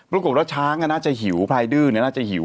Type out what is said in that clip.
ปรากฏว่าช้างน่าจะหิวพลายดื้อน่าจะหิว